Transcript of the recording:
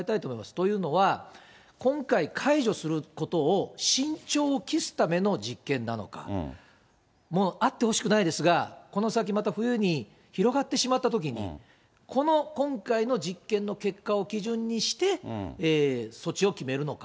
というのは、今回、解除することを慎重を期すための実験なのか、もうあってほしくないですが、この先また冬に広がってしまったときに、この今回の実験の結果を基準にして、措置を決めるのか。